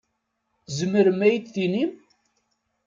Tzemrem ad yi-d-tinim?